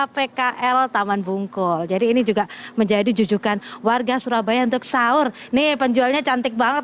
pembelajaran anounan bases adalah simpel yang waktu yang terbulat